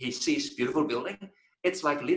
itu seperti anak kecil di kedai kandang